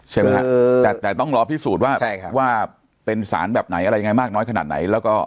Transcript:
ใช่ไหมฮะแต่ต้องรอพิสูจน์ว่าว่าเป็นสารแบบไหนอะไรยังไงมากน้อยขนาดไหนแล้วก็